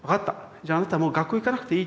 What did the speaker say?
じゃあなたもう学校へ行かなくていい」。